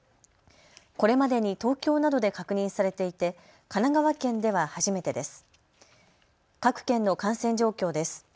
これまでに東京などで確認されていて神奈川県では初めてです。